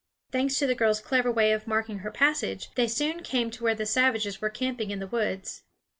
Thanks to the girl's clever way of marking her passage, they soon came to where the savages were camping in the woods.